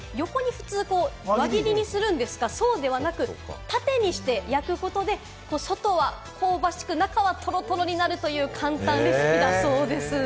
普通、輪切りにするんですが、そうではなく縦にして焼くことで、外は香ばしく、中はトロトロになるという簡単レシピだそうです。